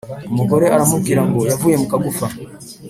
Umugore aramubwira ngo yavuye mu kagufa.